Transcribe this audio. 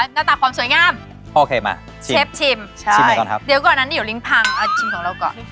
หน้าตาความสวยงามโอเคมาเชฟชิมใช่ก่อนครับเดี๋ยวก่อนนั้นเดี๋ยวลิ้งพังเอาชิมของเราก่อน